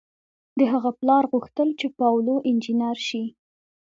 د هغه پلار غوښتل چې پاولو انجنیر شي.